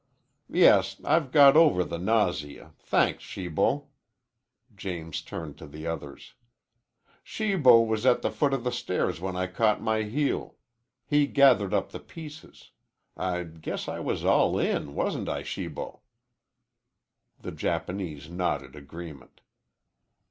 "Yes, I've got over the nausea, thanks, Shibo." James turned to the others. "Shibo was at the foot of the stairs when I caught my heel. He gathered up the pieces. I guess I was all in, wasn't I, Shibo?" The Japanese nodded agreement.